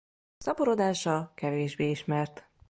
Szaporodása kevésbé ismert.